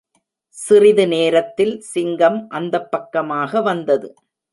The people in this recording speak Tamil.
சிறிது நேரத்தில் சிங்கம் அந்தப் பக்கமாக வந்தது.